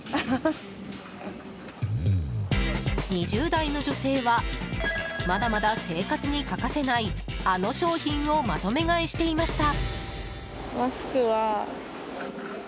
２０代の女性はまだまだ生活に欠かせないあの商品をまとめ買いしていました。